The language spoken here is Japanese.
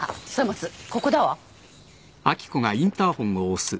ここだわ。